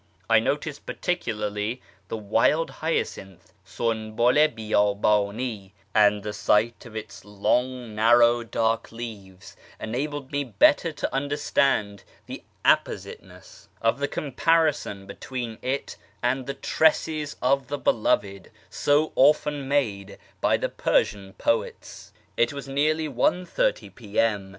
I noticed particularly the wild hyacinth {sunhul i hiyctbdni), and the sight of its long narrow dark green leaves enabled me better to understand the appositeness of the comparison between it and the " tresses of the beloved " so often made by the Persian poets. It was nearly 1.30 p.m.